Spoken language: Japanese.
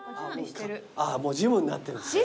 もうジムになってるんですね。